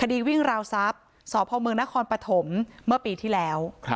คดีวิ่งราวทรัพย์สมนปฐมเมื่อปีที่แล้ว